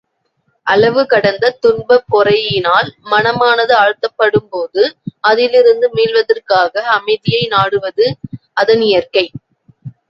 அளவு கடந்த துன்பப் பொறையினால் மனமானது ஆழ்த்தப்படும் போது, அதிலிருந்து மீள்வதற்காக அமைதியை நாடுவது அதனியற்கை.